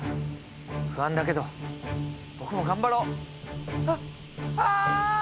不安だけど僕も頑張ろあっあ！